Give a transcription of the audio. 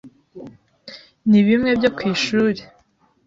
Ni bimwe byo ku ishuri